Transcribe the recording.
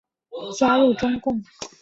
加入中共。